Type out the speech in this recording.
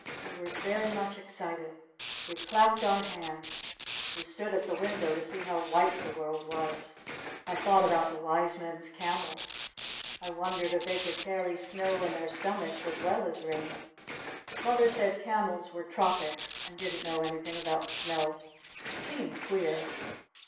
We were very much excited. We clapped our hands. We stood at the window to see how white the world was. I thought about the wise men's camels. I wondered if they could carry snow in their stomachs as well as rain. Mother said camels were tropics and didn't know anything about snow. It seemed queer.